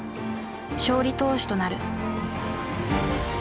勝利投手となる。